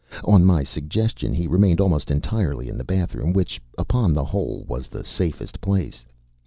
On my suggestion he remained almost entirely in the bathroom, which, upon the whole, was the safest place.